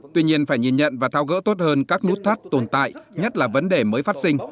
tuy nhiên phải nhìn nhận và thao gỡ tốt hơn các nút thắt tồn tại nhất là vấn đề mới phát sinh